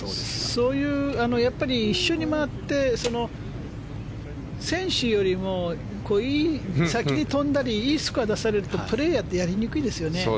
そういう一緒に回って選手よりも先に飛んだりいいスコアを出されるとプレーヤーはやりにくいですよね。